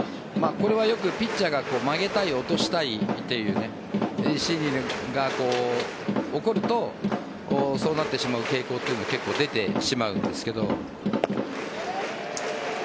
これはよく、ピッチャーが曲げたい、落としたいという心理が起こるとそうなってしまう傾向は結構出てしまうんですが。